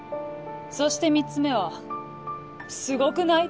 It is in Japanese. そして３つ目は「すごくない？」